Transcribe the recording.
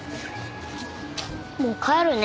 もう帰るね。